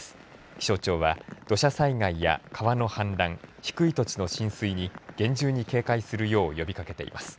気象庁は土砂災害や川の氾濫低い土地の浸水に厳重に警戒するよう呼びかけています。